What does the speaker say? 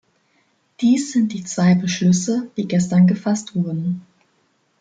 Dies sind die zwei Beschlüsse, die gestern gefasst wurden.